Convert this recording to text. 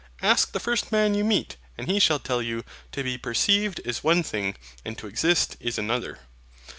Ask the first man you meet, and he shall tell you, TO BE PERCEIVED is one thing, and TO EXIST is another.